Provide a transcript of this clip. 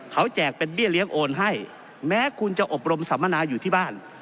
เขาแจกเป็นเบี้ยเลี้ยงโอนให้แม้คุณจะอบรมสัมมนาอยู่ที่บ้าน